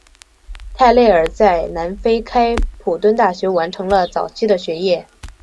泰累尔在南非开普敦大学完成了早期的学业。